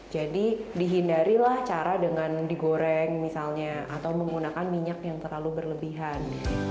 jadi dihindarilah cara dengan digoreng misalnya atau menggunakan minyak yang terlalu berlebihan